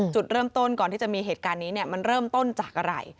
จุดเริ่มต้นก่อนที่จะมีเหตุการณ์นี้มันเริ่มต้นจากอะไร